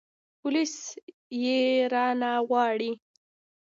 پوليس يې رانه غواړي.